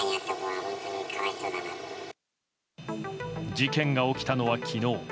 事件が起きたのは昨日。